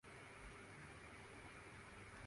city open tennis Alexander زایور final میں پہنچ گئے